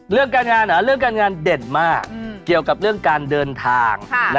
เรื่องการงานเหรอเรื่องการงานเด่นมากเกี่ยวกับเรื่องการเดินทาง